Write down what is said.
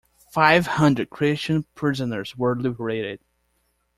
Five hundred Christian prisoners were liberated.